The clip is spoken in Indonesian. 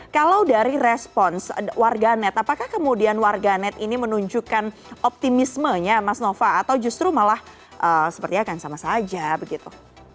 kalau dari respons warganet apakah kemudian warganet ini menunjukkan optimismenya mas nova atau justru malah sepertinya akan sama saja begitu